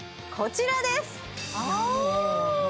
こちらですああ！